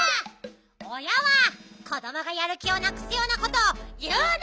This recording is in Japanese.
おやは子どもがやる気をなくすようなこというな！